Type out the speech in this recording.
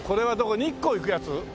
日光行くやつ？